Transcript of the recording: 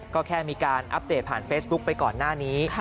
ก็แค่มีการอัปเดตผ่านเฟซบุ๊คไปก่อนหน้านี้